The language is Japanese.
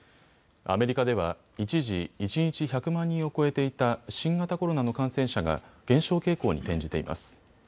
アメリカでは一時、一日１００万人を超えていた新型コロナの感染者が減少傾向に転じています。